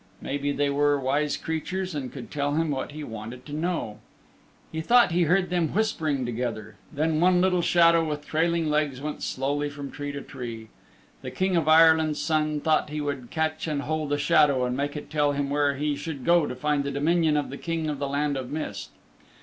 Maybe they were wise creatures and could tell him what he wanted to know. He thought he heard them whispering together. Then one little shadow with trailing legs went slowly from tree to tree. The King of Ireland's Son thought he would catch and hold a shadow and make it tell him where he should go to find the dominion of the King of the Land of Mist.